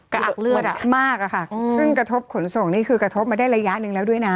กระอักเลือดมากอะค่ะซึ่งกระทบขนส่งนี่คือกระทบมาได้ระยะหนึ่งแล้วด้วยนะ